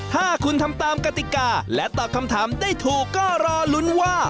ถ้าคุณทำตามกติกาและตอบคำถามได้ถูกก็รอลุ้นว่า